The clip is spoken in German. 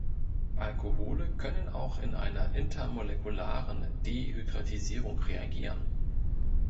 Alkohole können auch in einer "intermolekularen" Dehydratisierung reagieren.